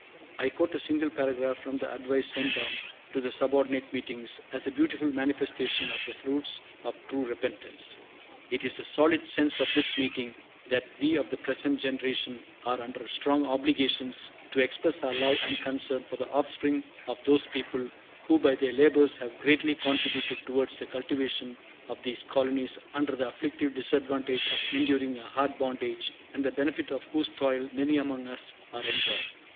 I quote a single paragraph from the advice sent down to the subordinate meetings, as a beautiful manifestation of the fruits of true repentance: "It is the solid sense of this meeting, that we of the present generation are under strong obligations to express our love and concern for the offspring of those people who by their labors have greatly contributed towards the cultivation of these colonies under the afflictive disadvantage of enduring a hard bondage, and the benefit of whose toil many among us are enjoying."